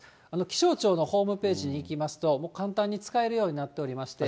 気象庁のホームページにいきますと、簡単に使えるようになっておりまして。